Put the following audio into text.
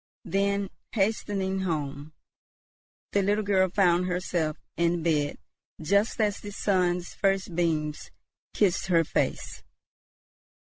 Then, hastening home, the little girl found herself in bed just as the sun's first beams kissed her face.